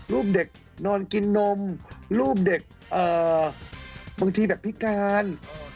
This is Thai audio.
รูปเด็กนอนกินนมรูปเด็กบางทีแบบพิการ